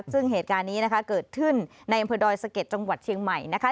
ซึ่งเหตุการณ์นี้นะคะเกิดขึ้นในอำเภอดอยสะเก็ดจังหวัดเชียงใหม่นะคะ